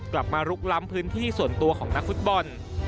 ลุกล้ำพื้นที่ส่วนตัวของนักฟุตบอล